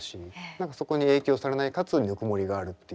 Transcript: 何かそこに影響されないかつぬくもりがあるっていう。